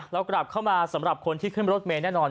เรากลับเข้ามาสำหรับคนที่ขึ้นรถเมย์แน่นอน